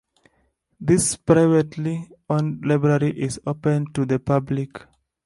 This privately owned library is open to the public.